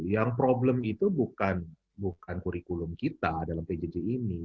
yang problem itu bukan kurikulum kita dalam pjj ini